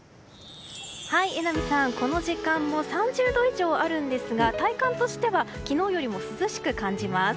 榎並さん、この時間も３０度以上あるんですが体感としては昨日よりも涼しく感じます。